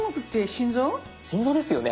心臓ですよね